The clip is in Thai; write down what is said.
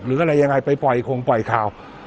หรืออะไรยังไงไปปล่อยคงปล่อยข่าว